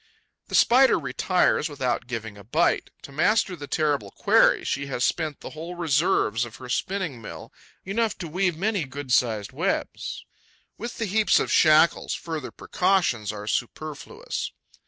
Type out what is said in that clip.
The Spider retires without giving a bite. To master the terrible quarry, she has spent the whole reserves of her spinning mill, enough to weave many good sized webs. With this heap of shackles, further precautions are superfluous.